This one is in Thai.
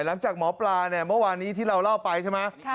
หลังจากหมอปลาเนี่ยเมื่อวานนี้ที่เราเล่าไปใช่ไหม